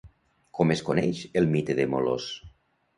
Com es coneix el mite de Molós?